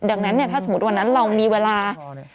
ดังนั้นเนี่ยถ้าสมมุติวันนั้นเรามีเวลา